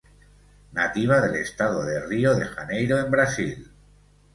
Nativa del Estado de Río de Janeiro en Brasil.